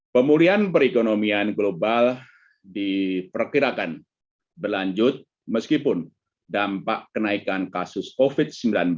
pemulihan perekonomian global diperkirakan berlanjut meskipun dampak kenaikan kasus ofit